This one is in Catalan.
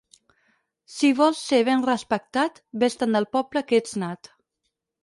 Si vols ser ben respectat, ves-te'n del poble que ets nat.